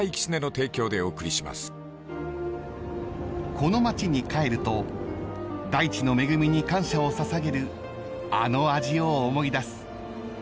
［この町に帰ると大地の恵みに感謝を捧げるあの味を思い出す］